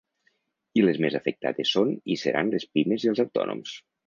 I les més afectades són i seran les pimes i els autònoms.